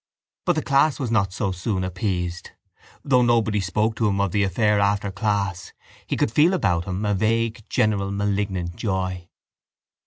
But the class was not so soon appeased. Though nobody spoke to him of the affair after class he could feel about him a vague general malignant joy.